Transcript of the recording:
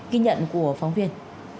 ghi nhận của phóng viên